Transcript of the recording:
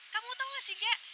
kamu tau gak sih ga